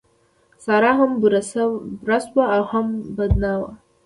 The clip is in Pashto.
سارا هم بوره شوه او هم بدنامه.